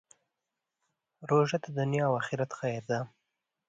روژه د دنیا او آخرت خیر لري.